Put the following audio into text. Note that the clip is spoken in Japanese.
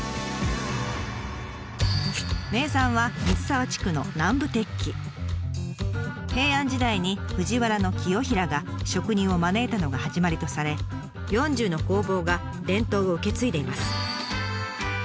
名産は水沢地区の平安時代に藤原清衡が職人を招いたのが始まりとされ４０の工房が伝統を受け継いでいます。